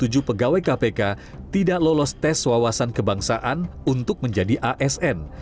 juga membuat lima puluh tujuh pegawai kpk tidak lolos tes wawasan kebangsaan untuk menjadi asn